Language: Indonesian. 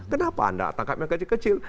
kenapa anda tangkap yang kecil kecil